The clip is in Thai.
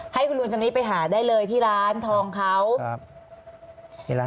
ให้คุณลุงชนิดไปหาได้เลยที่ร้านทองเขาครับ